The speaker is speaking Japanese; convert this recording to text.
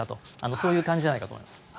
そういう感じじゃないかと思います。